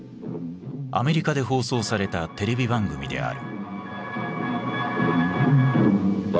アメリカで放送されたテレビ番組である。